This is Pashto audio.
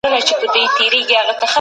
تاسو به د حقایقو پر بنسټ پریکړي کوئ.